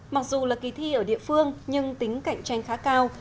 mặc dù là kỳ thi ở địa phương nhưng tính cạnh tranh khá cao